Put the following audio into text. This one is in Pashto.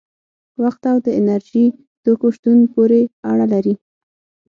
وخت او د انرژي توکو شتون پورې اړه لري.